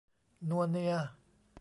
นัวเนีย